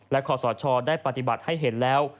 และขอสชได้ปฏิบัติให้เห็นแล้ว